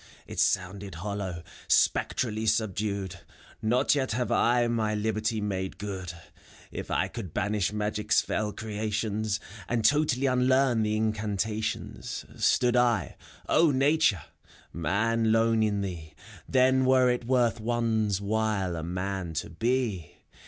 It sounded hollow, spectrally subdued : prTot yet have I my liberty made good : If I could banish Magic's fell creations. And totally unlearn the incantations, — Stood L (LNatu re ! Man^ lone in thee, Then Vere it worth one's while a man to be!